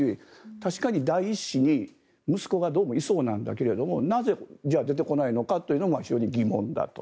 確かに第１子に息子がどうもいそうなんだけどじゃあ、なぜ出てこないのかというのが非常に疑問だと。